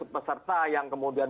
peserta yang kemudian